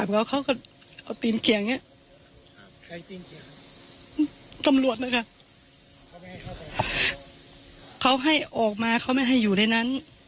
เพราะเขาทำร้ายตำรวจตำรวจก็ทำร้ายเขา